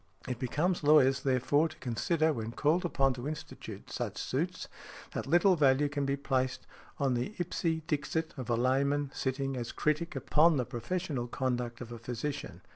It becomes lawyers, therefore, to consider, when called upon to institute such suits, that little value can be placed on the ipse dixit of a layman sitting as critic upon the professional conduct of a physician.